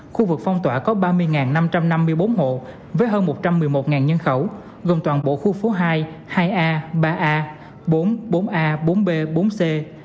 khu vực phong tỏa có ba mươi năm trăm năm mươi bốn hộ với hơn một trăm một mươi một nhân khẩu gồm toàn bộ khu phố hai a ba a bốn bốn a bốn b bốn c